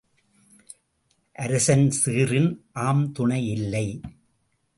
அரசன் சீறின் ஆம் துணை இல்லை.